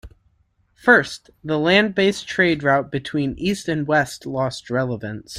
First, the land based trade route between east and west lost relevance.